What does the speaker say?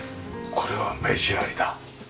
これは目地ありだ。